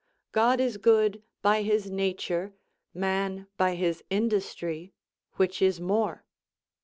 God is good by his nature; man by his industry, which is more.